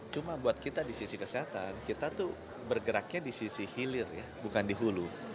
cuma buat kita di sisi kesehatan kita tuh bergeraknya di sisi hilir ya bukan di hulu